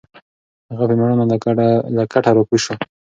هغه په مېړانه له کټه راکوز شو.